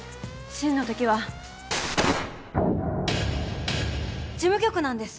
真の敵は。事務局なんです。